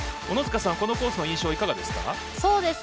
小野塚さん、このコースの印象いかがですか？